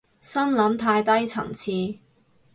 心諗太低層次